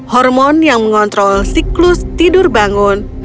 hormon yang mengontrol siklus tidur bangun